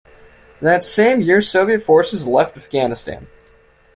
That same year Soviet forces left Afghanistan.